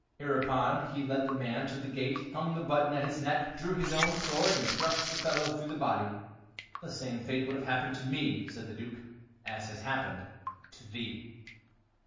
Hereupon he led the man to the gate, hung the button at his neck, drew his own sword, and thrust the fellow through the body. "The same fate would have happened to me," said the Duke, "as has happened to thee."